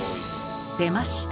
出ました。